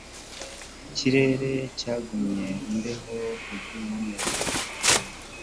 Ikirere cyagumye imbeho ibyumweru bitatu